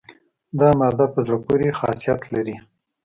دا ماده په زړه پورې خاصیت لري.